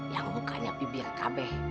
yang mukanya bibir kabeh